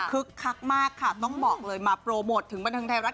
คึกคักต้องบอกเลยมาโปรโมทถึงบรรทางไทยรัด